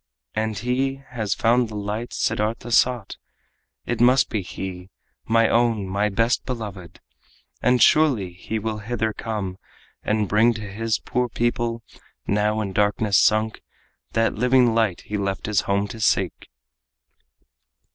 And he has found the light Siddartha sought! It must be he my own, my best beloved! And surely he will hither come, and bring To his poor people, now in darkness sunk, That living light he left his home to seek."